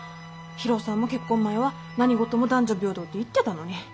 博夫さんも結婚前は「何事も男女平等」って言ってたのに。